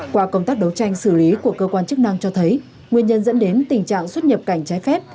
qua công tác đấu tranh xử lý của cơ quan chức năng cho thấy nguyên nhân dẫn đến tình trạng xuất nhập cảnh trái phép